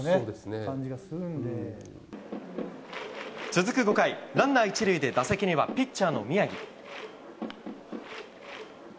続く５回、ランナー１塁で打席にはピッチャーの宮城。